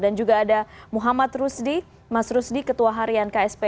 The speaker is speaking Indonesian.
dan juga ada muhammad rusdi mas rusdi ketua harian ksp